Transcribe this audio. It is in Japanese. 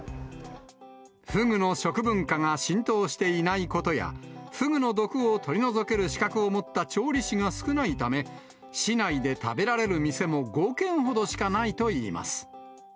フグの食文化が浸透していないことや、フグの毒を取り除ける資格を持った調理師が少ないため、市内で食べられる店も５軒ほどしかないといいます。